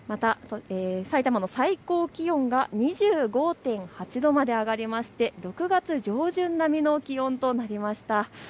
さいたまの最高気温が２５．８度まで上がりまして６月上旬並みの気温となりました。